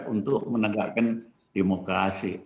untuk menegakkan demokrasi